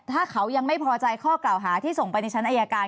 ถ้าเขายังไม่พอใจข้อกล่าวหาที่ส่งไปในชั้นอายการ